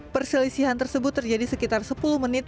perselisihan tersebut terjadi sekitar sepuluh menit